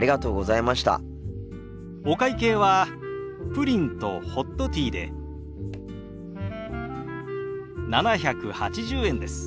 お会計はプリンとホットティーで７８０円です。